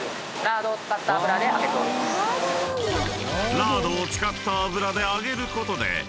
［ラードを使った油で揚げることで］